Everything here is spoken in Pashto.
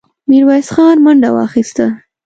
ميرويس خان منډه واخيسته.